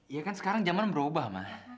iya kan sekarang zaman berubah mah